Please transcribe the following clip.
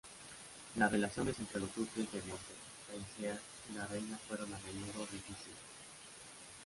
Las relaciones entre los duques de Montpensier y la reina fueron a menudo difíciles.